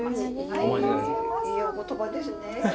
ええお言葉ですね。